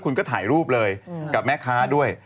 คุณก็ถ่ายรูปเลยกับแม่ค้าด้วย